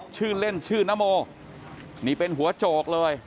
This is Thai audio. ชื่อเล่นชื่อนโมนี่เป็นหัวโจกเลย